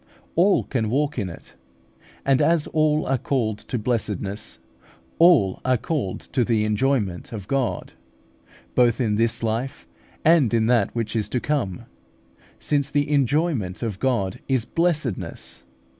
All can walk in it; and as all are called to blessedness, all are called to the enjoyment of God, both in this life and in that which is to come, since the enjoyment of God is blessedness.